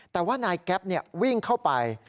แต่ว่านายแก๊ปวิ่งเข้าไป